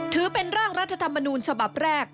ถือเป็นร่างรัฐธรรมนูญฉบับแรก